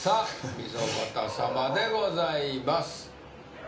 溝端様でございます